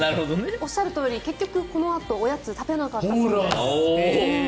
おっしゃるとおり結局、このあとおやつを食べなかったそうです。